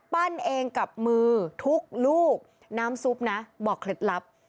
ปั้นเองกับมือทุกลูกน้ำซุปนะบอกเคล็ดลับ